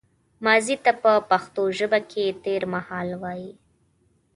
ماضي ته په پښتو ژبه کې تېرمهال وايي